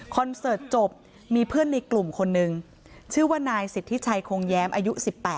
เสิร์ตจบมีเพื่อนในกลุ่มคนนึงชื่อว่านายสิทธิชัยคงแย้มอายุ๑๘